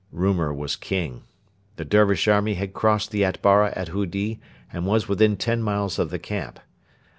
Rumour was king. The Dervish army had crossed the Atbara at Hudi, and was within ten miles of the camp.